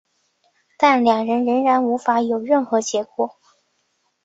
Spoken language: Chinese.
但两人仍然无法有任何结果。